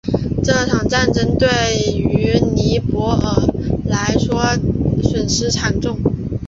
这场战争对于尼泊尔来说损失惨重。